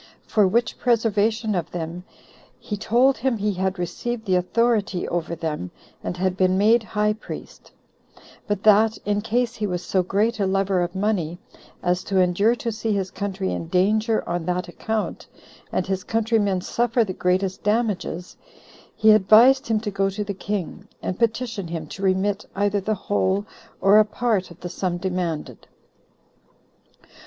For which preservation of them, he told him he had received the authority over them, and had been made high priest; but that, in case he was so great a lover of money, as to endure to see his country in danger on that account, and his countrymen suffer the greatest damages, he advised him to go to the king, and petition him to remit either the whole or a part of the sum demanded.